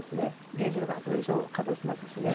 原子力発電所稼働していますしね。